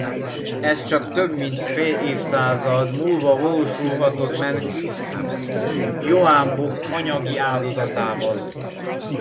Ez csak több mint fél évszázad múlva valósulhatott meg Ioan Bob anyagi áldozatával.